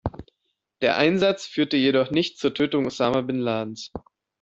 Der Einsatz führte jedoch nicht zur Tötung Osama Bin Ladens.